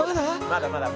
まだまだ。